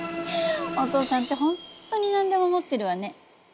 お父さんって本当に何でも持ってるわね。